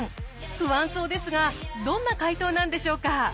不安そうですがどんな解答なのでしょうか？